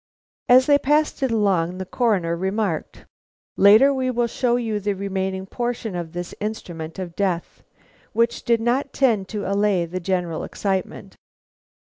As they passed it along, the Coroner remarked: "Later we will show you the remaining portion of this instrument of death," which did not tend to allay the general excitement.